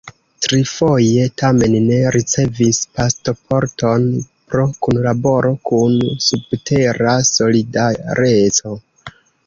Trifoje tamen ne ricevis pasporton pro kunlaboro kun subtera "Solidareco".